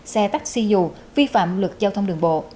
xe taxi dù vi phạm luật giao thông đường bộ